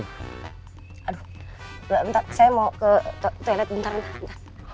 bentar saya mau ke toilet bentar bentar